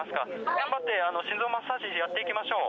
頑張って心臓マッサージやっていきましょう。